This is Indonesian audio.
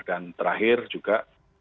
dan terakhir juga